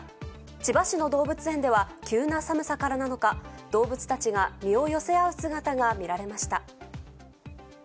千葉市の動物園では、急な寒さからなのか、動物たちが身を寄せ合う姿が見られました。